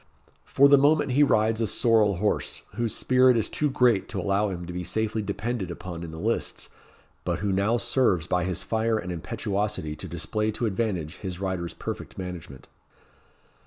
For the moment he rides a sorrel horse, whose spirit is too great to allow him to be safely depended upon in the lists, but who now serves by his fire and impetuosity to display to advantage his rider's perfect management.